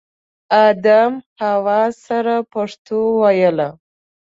ادم حوا سره پښتو ویله